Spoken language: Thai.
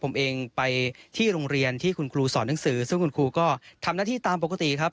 ผมเองไปที่โรงเรียนที่คุณครูสอนหนังสือซึ่งคุณครูก็ทำหน้าที่ตามปกติครับ